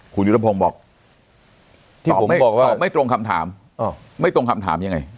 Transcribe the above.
คุณยุทธพงศ์บอกตอบไม่ตรงคำถามไม่ตรงคำถามยังไง